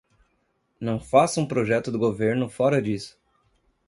Não faça um projeto do governo fora disso!